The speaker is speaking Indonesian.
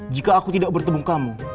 jika aku tidak bertemu kamu